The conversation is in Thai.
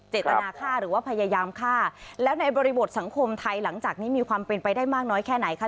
เจตนาฆ่าหรือว่าพยายามฆ่าแล้วในบริบทสังคมไทยหลังจากนี้มีความเป็นไปได้มากน้อยแค่ไหนคะ